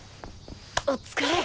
お疲れ！